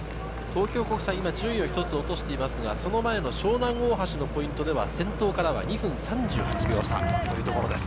東京東京国際は今、順位を一つ落としてますが、その前の湘南大橋のポイントでは先頭からは２分３８秒差というところです。